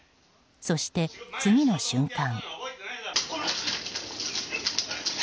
そして、次の瞬間。